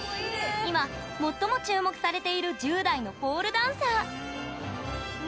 今、最も注目されている１０代のポールダンサー。